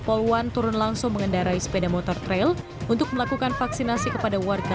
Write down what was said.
poluan turun langsung mengendarai sepeda motor trail untuk melakukan vaksinasi kepada warga